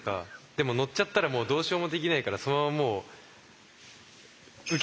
でも乗っちゃったらもうどうしようもできないからそのままもう受け入れるじゃないですか。